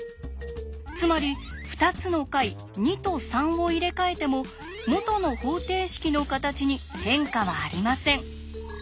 つまり２つの解２と３を入れ替えても元の方程式の形に変化はありません。